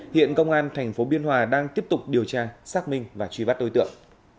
hiện công an thành phố biên hòa đang tiếp tục điều tra xác minh và truy bắt đối tượng